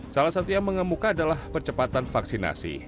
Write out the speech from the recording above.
salah satu yang mengemuka adalah percepatan vaksinasi